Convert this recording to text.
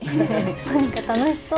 何か楽しそうだね。